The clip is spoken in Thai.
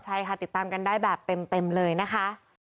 ใช่ค่ะติดตามกันได้แบบเต็มเลยนะคะ